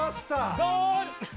ゴール。